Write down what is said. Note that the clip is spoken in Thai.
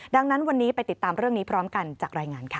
ดังนั้นวันนี้ไปติดตามเรื่องนี้พร้อมกันจากรายงานค่ะ